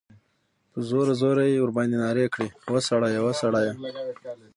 په زوره، زوره ئی ورباندي نارې کړې ، وسړیه! وسړیه!